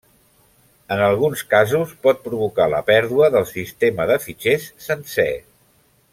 En alguns casos, pot provocar la pèrdua del sistema de fitxers sencer.